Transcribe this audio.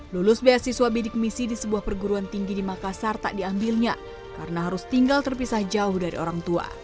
lulus beasiswa bidik misi di sebuah perguruan tinggi di makassar tak diambilnya karena harus tinggal terpisah jauh dari orang tua